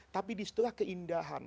tapi disitulah keindahan